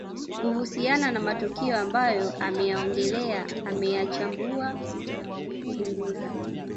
Kuhusiana na matukio ambayo ameyaongelea ameyachambua na kuyachunguza